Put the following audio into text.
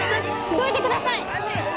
どいてください！